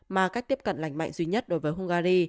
mà cách tiếp cận lành mạnh duy nhất đối với hungary